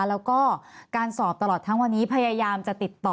แล้วก็การสอบตลอดทั้งวันนี้พยายามจะติดต่อ